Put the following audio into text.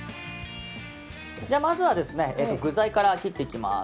まずは具材から切っていきます。